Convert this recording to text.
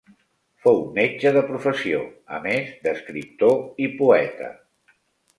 Fou metge de professió, a més d'escriptor i poeta.